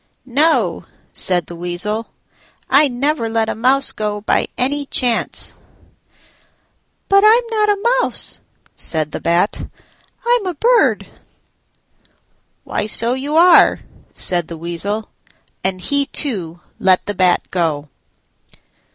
"No," said the Weasel, "I never let a mouse go by any chance." "But I'm not a mouse," said the Bat; "I'm a bird." "Why, so you are," said the Weasel; and he too let the Bat go.